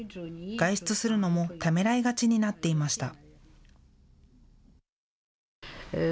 外出するのもためらいがちになっていました。